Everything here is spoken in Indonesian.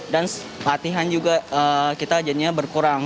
latihan juga kita jadinya berkurang